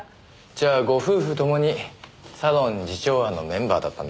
じゃあご夫婦ともにサロン慈朝庵のメンバーだったんですね。